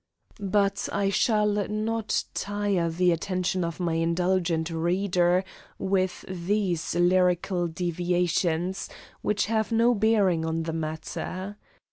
But I shall not tire the attention of my indulgent reader with these lyrical deviations, which have no bearing on the matter.